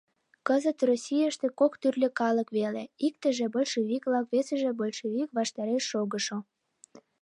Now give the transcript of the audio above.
Кызыт Российыште кок тӱрлӧ калык веле: иктыже — большевик-влак, весыже — большевик ваштареш шогышо.